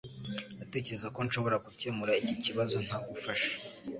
Ndatekereza ko nshobora gukemura iki kibazo ntagufasha